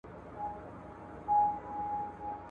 زه به سبا سبزیحات وچوم وم!؟